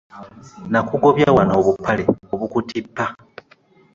Nakugobya wano obupale obukutippa.